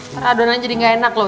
adonannya jadi gak enak loh